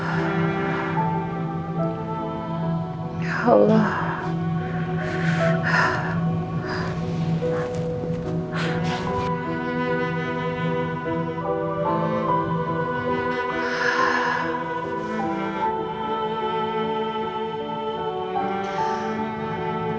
ya allah aa allah papa